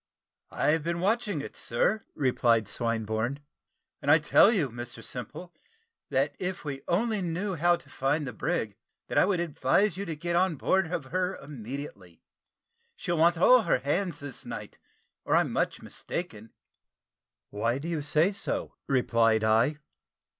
"I've been watching it, sir," replied Swinburne, "and I tell you, Mr Simple, that if we only know how to find the brig, that I would advise you to get on board of her immediately. She'll want all her hands this night, or I'm much mistaken." "Why do you say so?" replied I.